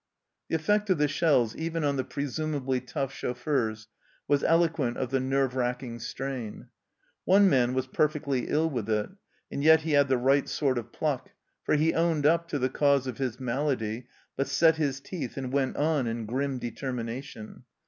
The effect of the shells, even on the presumably tough chauffeurs, was eloquent of the nerve racking strain. One man was perfectly ill with it, and yet he had the right sort of pluck, for he owned up to the cause of his malady, but set his teeth and went on in grim determination.